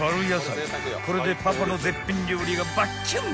これでパパの絶品料理がバッキュン！］